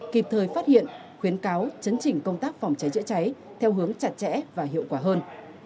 kịp thời phát hiện khuyến cáo chấn chỉnh công tác phòng cháy chữa cháy theo hướng chặt chẽ và hiệu quả hơn